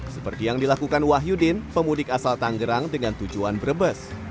seperti yang dilakukan wahyudin pemudik asal tanggerang dengan tujuan brebes